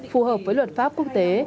phù hợp với luật pháp quốc tế